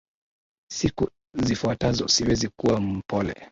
siku zifuatazo siwezi kuwa mpole